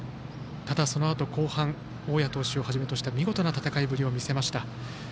ただ、そのあと後半大矢投手をはじめとした見事な戦いぶりを見せました。